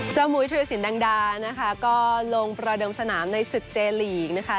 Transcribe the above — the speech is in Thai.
เจ้ามุยเทียวสินดังดานะคะก็ลงประเดิมสนามในศึกเจรีย์หลีกนะคะ